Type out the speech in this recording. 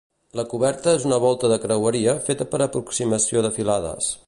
La coberta és una volta de creueria feta per aproximació de filades.